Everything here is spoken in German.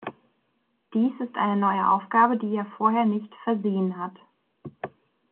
Dies ist eine neue Aufgabe, die er vorher nicht versehen hat.